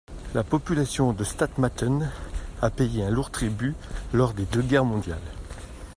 La population de Statmatten a payé un lourd tribut lors des deux guerres mondiales.